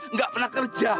nggak pernah kerja